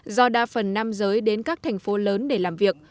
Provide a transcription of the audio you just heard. do đa phần nam giới đến các thành phố lớn để làm việc